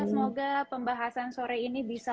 semoga pembahasan sore ini bisa